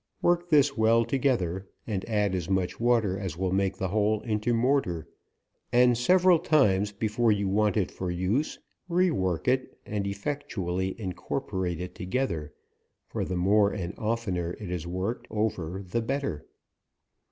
Work this well together, and add as much water as will make the whole into mortar ; and several times before you want it for use, re work it, and effectually incorporate it together, for the more and oftener it is worked over the better.